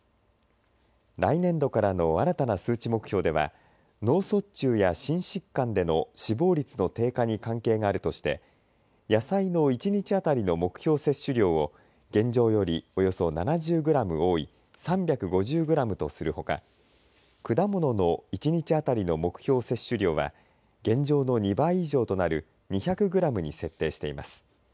来年度からの新たな数値目標では脳卒中や心疾患での死亡率の低下に関係があるとして野菜の１日当たりの目標摂取量を現状よりおよそ７０グラム多い３５０グラムとするほか果物の１日あたりの目標摂取量は現状の２倍以上となる２００グラムに設定しています。